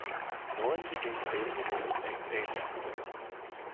Norrin begins dating a woman named Amy.